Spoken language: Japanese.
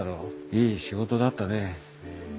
いい仕事だったね。